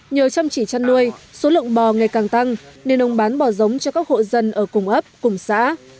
nhờ chăm chỉ chăn nuôi số lượng bò ngày càng tăng nên ông bán bò giống cho các hộ dân ở cùng ấp cùng xã